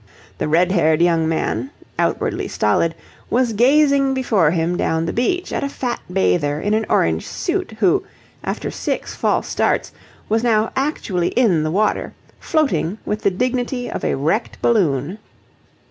The red haired young man, outwardly stolid, was gazing before him down the beach at a fat bather in an orange suit who, after six false starts, was now actually in the water, floating with the dignity of a wrecked balloon.